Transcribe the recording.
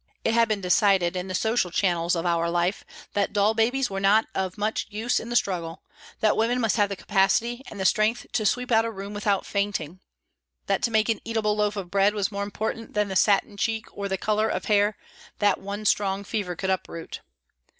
It had been decided, in the social channels of our life, that doll babies were not of much use in the struggle, that women must have the capacity and the strength to sweep out a room without fainting; that to make an eatable loaf of bread was more important than the satin cheek or the colour of hair that one strong fever could uproot.